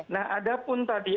nah ada pun tadi